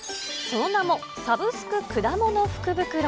その名もサブスク果物福袋。